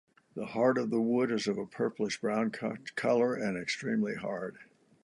The heart of the wood is of a purplish brown color and extremely hard.